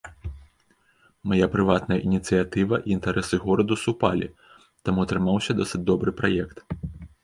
Мая прыватная ініцыятыва і інтарэсы гораду супалі, таму атрымаўся досыць добры праект.